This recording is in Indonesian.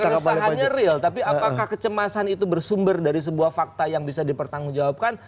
keresahannya real tapi apakah kecemasan itu bersumber dari sebuah fakta yang bisa dipertanggungjawabkan